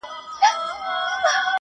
څو ټپې نمکیني څو غزل خواږه خواږه لرم,